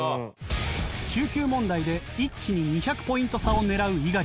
中級問題で一気に２００ポイント差を狙う猪狩。